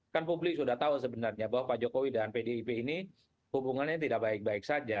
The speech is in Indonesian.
kan publik sudah tahu sebenarnya bahwa pak jokowi dan pdip ini hubungannya tidak baik baik saja